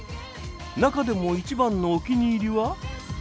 中でも一番のお気に入りは？